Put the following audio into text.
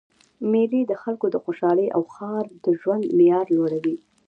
میلې د خلکو د خوشحالۍ او ښار د ژوند معیار لوړوي.